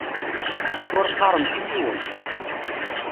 Ur qqaṛemt i yiwen.